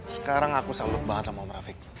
sekarang aku salut banget sama om raffic